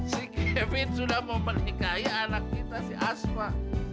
si kevin sudah memenikahi anak kita si asma